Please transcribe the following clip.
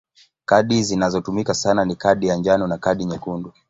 Kadi zinazotumika sana ni kadi ya njano na kadi nyekundu.